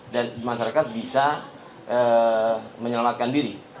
masyarakat bisa menyelamatkan diri